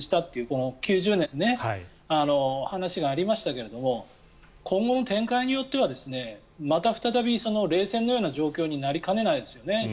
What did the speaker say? そういう話がありましたけど今後の展開によってはまた再び冷戦のような状況になりかねないですよね